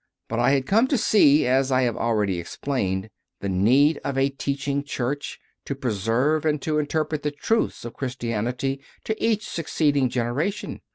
But I had come to see, as I have already explained, the need of a Teaching Church to preserve and to interpret the truths of Chris tianity to each succeeding generation.